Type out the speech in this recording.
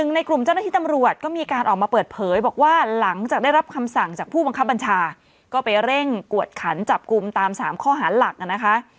ในกลุ่มเจ้าหน้าที่ตำรวจก็มีการออกมาเปิดเผยบอกว่าหลังจากได้รับคำสั่งจากผู้บังคับบัญชาก็ไปเร่งกวดขันจับกลุ่มตาม๓ข้อหาหลักนะคะ